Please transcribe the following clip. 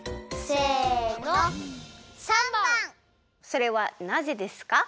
それはなぜですか？